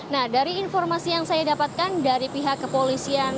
nah dari informasi yang saya dapatkan dari pihak kepolisian